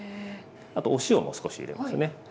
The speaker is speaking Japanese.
あとお塩も少し入れますね。